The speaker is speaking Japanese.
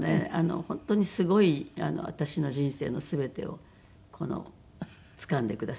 本当にすごい私の人生の全てを掴んでくださって。